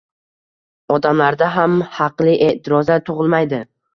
Odamlarda ham haqli eʼtirozlar tugʻilmaydi.